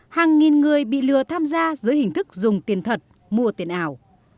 hàng nghìn người bị lừa tham gia dưới hình thức dùng tiền thật mua tiền ảo